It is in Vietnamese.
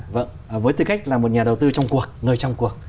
vâng với tư cách là một nhà đầu tư trong cuộc người trong cuộc